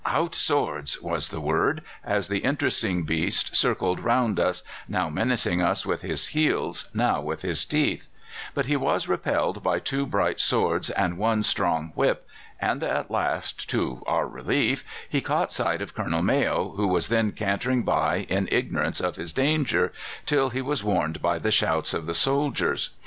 "'Out swords!' was the word, as the interesting beast circled round us, now menacing us with his heels, now with his teeth; but he was repelled by two bright swords and one strong whip, and at last, to our relief, he caught sight of Colonel Mayo, who was then cantering by in ignorance of his danger, till he was warned by the shouts of the soldiers.